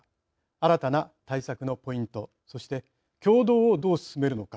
新たな対策のポイントそして協働をどう進めるのか。